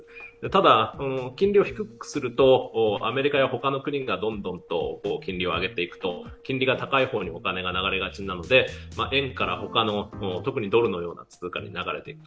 ただ、金利を低くするとアメリカや他の国がどんどんと金利を上げていくと金利が高い方にお金が流れがちなので円から、例えば他のドルのような通貨に流れていく。